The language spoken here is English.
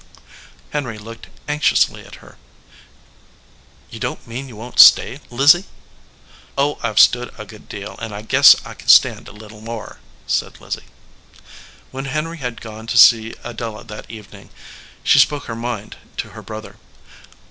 Henry looked anxiously at her. "You don t mean you won t stay, "Lizzie ?" "Oh, I ve stood a good deal, and I guess I can stand a little more," said Lizzie. When Henry had gone to see Adela that evening she spoke her mind to her brother.